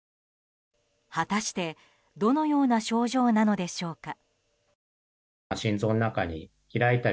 果たしてどのような症状なのでしょうか。